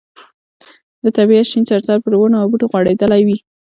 د طبیعت شین څادر پر ونو او بوټو غوړېدلی وي.